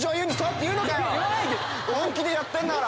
本気でやってんだから。